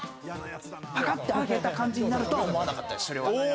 パカってあけた感じになるとは思わなかったです。